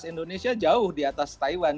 cuma memang mereka jauh lebih jauh dari taiwan